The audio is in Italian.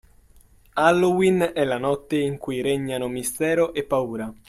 Halloween è la notte in cui regnano mistero e paura.